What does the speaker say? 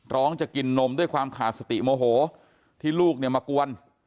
ร้องจะกินนมด้วยความขาดสติโมโหที่ลูกเนี่ยมากวน